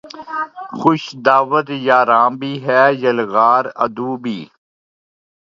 خوش دعوت یاراں بھی ہے یلغار عدو بھی